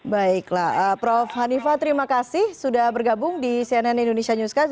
baiklah prof hanifah terima kasih sudah bergabung di cnn indonesia newscast